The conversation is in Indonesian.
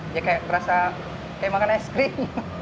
dia kayak berasa kayak makan es krim